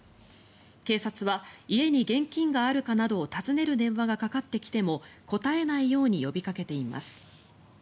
警察は家に現金があるかなどを尋ねる電話がかかってきても答えないように呼びかけています。